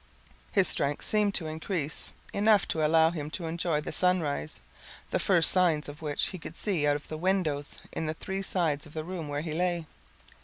His strength seemed to increase enough to allow him to enjoy the sunrise, the first signs of which he could see out of the windows in the three sides of the room where he lay.